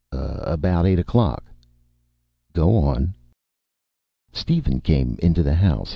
"About eight o'clock." "Go on." "Steven came into the house.